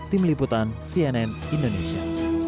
keputusan cnn indonesia